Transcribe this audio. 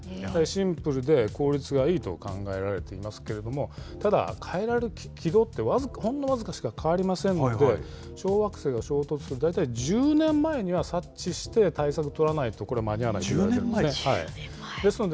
シンプルで効率がいいと考えられていますけれども、ただ、変えられる軌道って、ほんの僅かしか変わりませんので、小惑星が衝突する、大体１０年前には察知して対策取らないとこれ、間に合わないといわれているんですね。